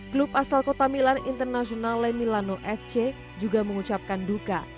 klub asal kota milan internasional lemilano fc juga mengucapkan duka